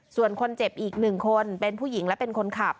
ส่วนคนเจ็บอีก๑คนเป็นผู้หญิงและเป็นคนขับ